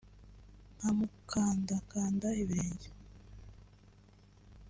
nkamukandakanda ibirenge